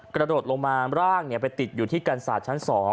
กระโดดลงมาร่างเนี่ยไปติดอยู่ที่กรรษาชั้น๒